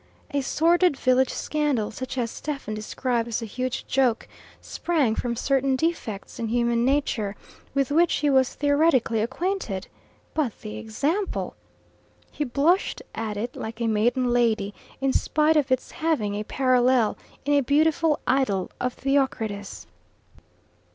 A sordid village scandal such as Stephen described as a huge joke sprang from certain defects in human nature, with which he was theoretically acquainted. But the example! He blushed at it like a maiden lady, in spite of its having a parallel in a beautiful idyll of Theocritus.